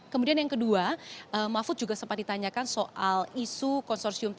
kemudian yang kedua mahfud juga sempat ditanyakan soal isu konsorsium tiga